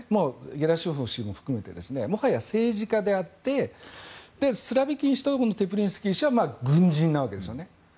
ゲラシモフ氏も含めてもはや政治家であってスロビキン氏とテプリンスキー氏は軍人なわけですよね。